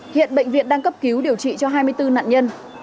hiện bệnh viện đang cấp cứu điều trị cho hai mươi bốn nạn nhân